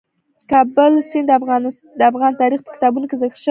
د کابل سیند د افغان تاریخ په کتابونو کې ذکر شوی دي.